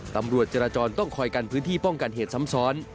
ตำรวจจราจรต้องคอยกันพื้นที่ป้องกันเหตุซ้ำซ้อน